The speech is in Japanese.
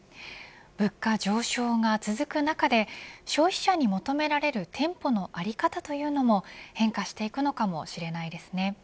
物価上昇が続く中で消費者に求められる店舗の在り方というのも変化していくのかもしれないですね。